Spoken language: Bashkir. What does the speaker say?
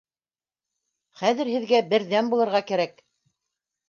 — Хәҙер һеҙгә берҙәм булырға кәрәк.